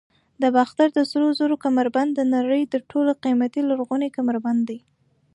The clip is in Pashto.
د باختر د سرو زرو کمربند د نړۍ تر ټولو قیمتي لرغونی کمربند دی